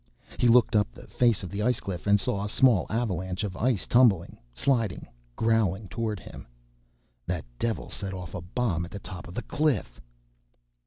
He looked up the face of the ice cliff and saw a small avalanche of ice tumbling, sliding, growling toward him. _That devil set off a bomb at the top of the cliff!